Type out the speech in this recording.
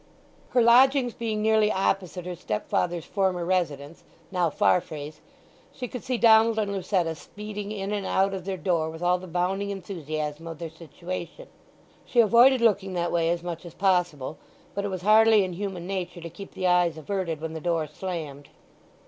Her lodgings being nearly opposite her stepfather's former residence, now Farfrae's, she could see Donald and Lucetta speeding in and out of their door with all the bounding enthusiasm of their situation. She avoided looking that way as much as possible, but it was hardly in human nature to keep the eyes averted when the door slammed.